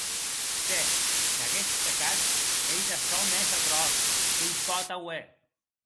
Tè, qu’aguest pecat ei de çò mès atròç que i pòt auer.